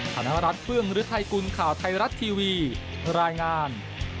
ธนรัฐเผื้องหรือไทกุลข่าวไทรัตน์ทีวีรายงาน